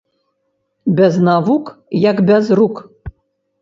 Без навук як без рук